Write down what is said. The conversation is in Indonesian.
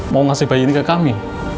mau ngasih bayi ini ke kami